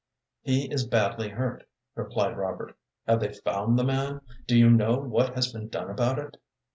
"He is badly hurt," replied Robert. "Have they found the man? Do you know what has been done about it?"